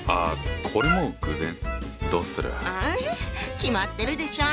決まってるでしょ！